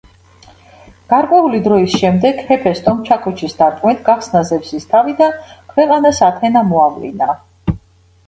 გარკვეული დროის შემდეგ ჰეფესტომ ჩაქუჩის დარტყმით გახსნა ზევსის თავი და ქვეყანას ათენა მოავლინა.